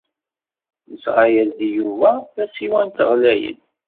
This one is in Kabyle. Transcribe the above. Nesɣa-as-d i Yuba tasiwant ɣlayen.